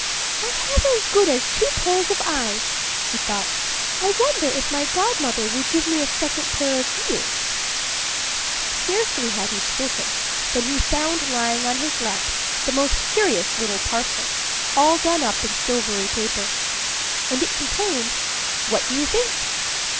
"I have as good as two pairs of eyes," he thought. "I wonder if my godmother would give me a second pair of ears." Scarcely had he spoken than he found lying on his lap the most curious little parcel, all done up in silvery paper. And it contained what do you think?